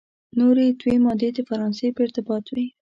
نوري دوې مادې د فرانسې په ارتباط وې.